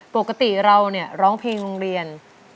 ปกติเราเนี่ยร้องเพลงโรงเรียน